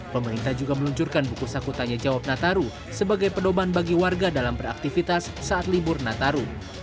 pemerintah juga meluncurkan buku sakutannya jawab nataru sebagai pedoman bagi warga dalam beraktivitas saat libur nataru